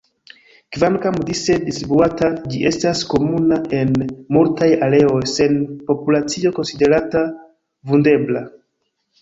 Kvankam dise distribuata, ĝi estas komuna en multaj areoj, sen populacio konsiderata vundebla.